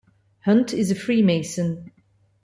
Hunt is a Freemason.